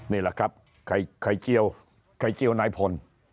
นี่แหละครับไข่เจียวไข่เจียวนายพล